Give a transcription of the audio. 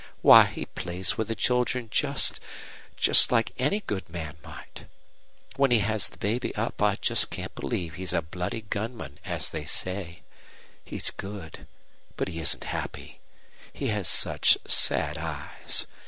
Why, he plays with the children just just like any good man might. When he has the baby up I just can't believe he's a bloody gunman, as they say. He's good, but he isn't happy. He has such sad eyes.